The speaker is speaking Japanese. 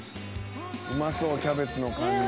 「うまそうキャベツの感じ」